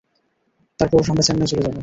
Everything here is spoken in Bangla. তারপর আমরা চেন্নাই চলে যাব।